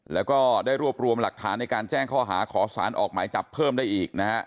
แล้วก็ได้รวบรวมหลักฐานในการแจ้งข้อหาขอสารออกหมายจับเพิ่มได้อีกนะฮะ